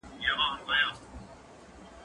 زه له سهاره شګه پاکوم